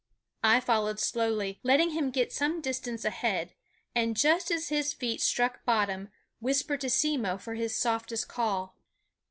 I followed slowly, letting him get some distance ahead, and just as his feet struck bottom whispered to Simmo for his softest call.